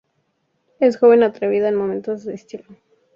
Es joven, atrevida, con montones de estilo".